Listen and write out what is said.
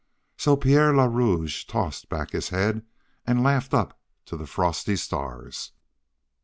So Pierre le Rouge tossed back his head and laughed up to the frosty stars.